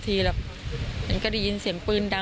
พอลูกเขยกลับเข้าบ้านไปพร้อมกับหลานได้ยินเสียงปืนเลยนะคะ